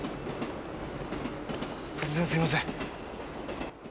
突然すいません。